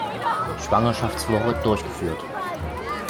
Schwangerschaftswoche durchgeführt.